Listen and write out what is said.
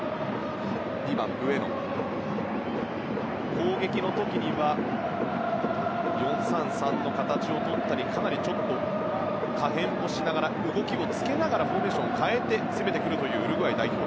攻撃の時は４−３−３の形をとったりかなり可変もしながら動きをつけながらフォーメーションを変えて攻めてくるというウルグアイ代表。